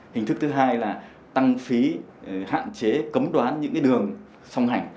hình thức thứ hai là tăng phí hạn chế cấm đoán những đường song hành